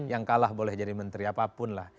yang kalah boleh jadi menteri apapun lah